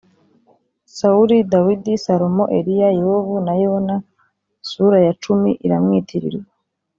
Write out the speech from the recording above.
sawuli, dawidi, salomo, eliya, yobu na yona (sura ya cumi iramwitirirwa)